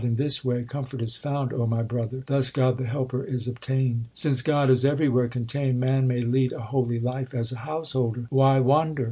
In this way comfort is found, O my brother ; Thus God the Helper is obtained. Since God is everywhere contained, man may lead a holy life as a householder : Why wander